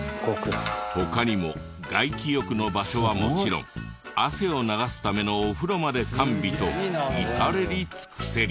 他にも外気浴の場所はもちろん汗を流すためのお風呂まで完備と至れり尽くせり。